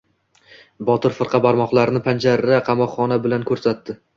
Botir firqa barmoqlarini panjara-qamoqxona qilib ko‘rsatdi.